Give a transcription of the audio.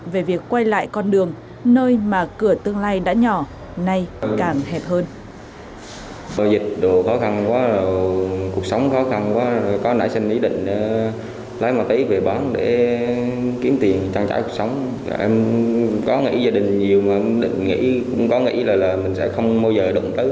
về việc quay lại con đường nơi mà cửa tương lai đã nhỏ nay càng hẹp hơn